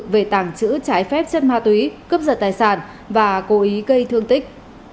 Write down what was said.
về tảng chữ trái phép chất ma túy cướp giật tài sản và cố ý gây thương tích